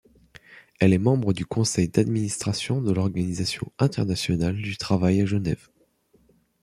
Elle est membre du conseil d'administration de l'Organisation internationale du travail à Genève.